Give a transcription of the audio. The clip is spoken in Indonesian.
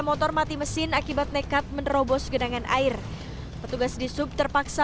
motor mati mesin akibat nekat menerobos genangan air petugas di sub terpaksa